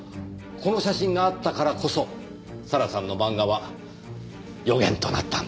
この写真があったからこそ咲良さんの漫画は予言となったんです。